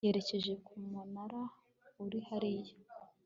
yerekeje ku munara uri hariya